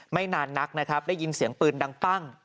ไม่นานนักนะครับได้ยินเสียงปืนดังปั้ง